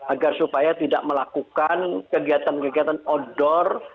agar supaya tidak melakukan kegiatan kegiatan outdoor